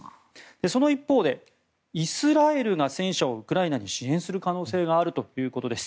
その一方でイスラエルが戦車をウクライナに支援する可能性があるということです。